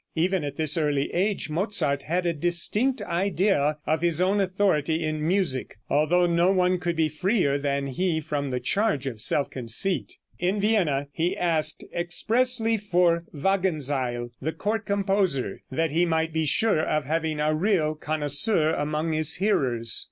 Even at this early age Mozart had a distinct idea of his own authority in music, although no one could be freer than he from the charge of self conceit. In Vienna, he asked expressly for Wagenseil, the court composer, that he might be sure of having a real connoisseur among his hearers.